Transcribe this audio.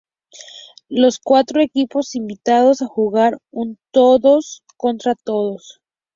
Los cuatro equipos invitados jugarán un todos contra todos.